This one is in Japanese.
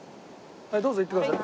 どうぞ行ってください。